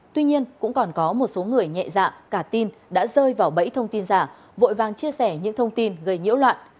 tuy nhiên cũng còn có một số người nhẹ dạ cả tin đã rơi vào bẫy thông tin giả vội vàng chia sẻ những thông tin gây nhiễu loạn